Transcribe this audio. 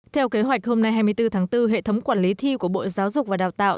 theo kế hoạch hôm nay hai mươi bốn tháng bốn hệ thống quản lý thi của bộ giáo dục và đào tạo